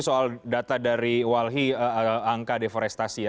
soal data dari walhi angka deforestasi ya